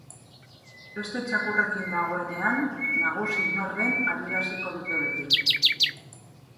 Beste txakurrekin dagoenean, nagusi nor den adieraziko dute beti.